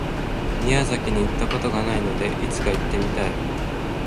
宮崎に行った事がないので、いつか行ってみたい。